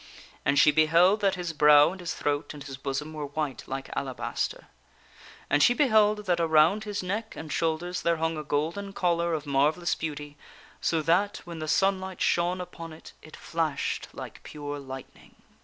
And she beheld that his brow and his throat and his bosom were white like alabaster. And she beheld that around his neck and shoulders there hung a golden collar of marvellous beauty, so that when the sunlight shone upon it it flashed like pure lightning.